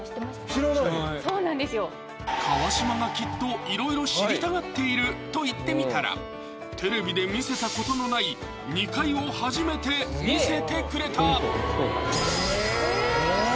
知らない川島がきっといろいろ知りたがっていると言ってみたらテレビで見せたことのない２階を初めて見せてくれたえ！